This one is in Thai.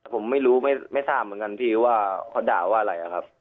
ผมไม่รู้ไม่ทราบเหมือนกันพี่ว่าเขาด่าว่าอะไรครับ